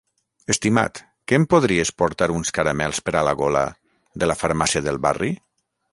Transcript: Estimat, que em podries portar uns caramels per a la gola de la farmàcia del barri?